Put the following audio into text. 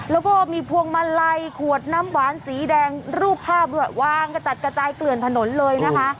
แล้วก็มีพวงมาลัยขวดน้ำหวานสีแดงรูปภาพด้วยวางกระจัดกระจายเกลื่อนถนนเลยนะคะ